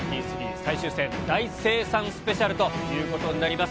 最終戦、大清算スペシャルということになります。